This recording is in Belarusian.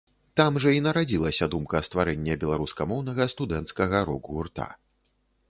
Там жа і нарадзілася думка стварэння беларускамоўнага студэнцкага рок-гурта.